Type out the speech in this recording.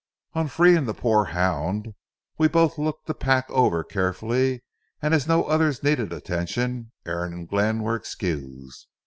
On freeing the poor hound, we both looked the pack over carefully, and as no others needed attention, Aaron and Glenn were excused.